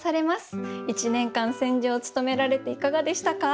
１年間選者を務められていかがでしたか？